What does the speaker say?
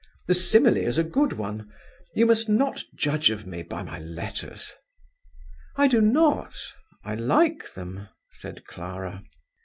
The simile is a good one. You must not judge of me by my letters." "I do not; I like them," said Clara.